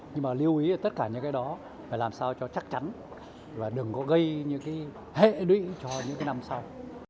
nhưng mà lưu ý tất cả những cái đó phải làm sao cho chắc chắn và đừng có gây những cái hệ lụy cho những cái năm sau